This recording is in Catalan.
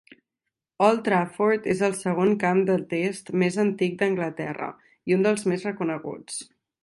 Old Trafford és el segon camp de Test més antic d'Anglaterra i un dels més reconeguts.